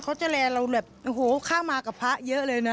เขาจะแลเราแบบโอ้โหข้ามมากับพระเยอะเลยนะ